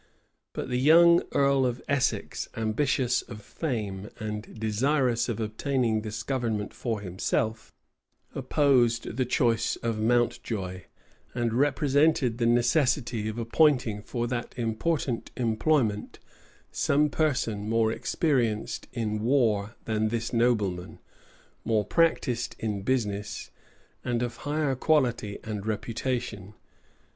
But the young earl of Essex, ambitious of fame, and desirous of obtaining this government for himself, opposed the choice of Mountjoy; and represented the necessity of appointing for that important employment, some person more experienced in war than this nobleman, more practised in business, and of higher quality and reputation.